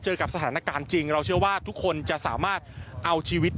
กับสถานการณ์จริงเราเชื่อว่าทุกคนจะสามารถเอาชีวิต